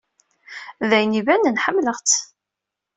D ayen ibanen ḥemmleɣ-tt!